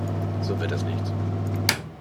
So wird das nichts.